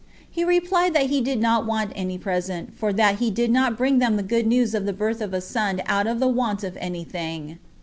He replied that he did not want any present, for that he did not bring them the good news of the birth of a son out of the want of any thing.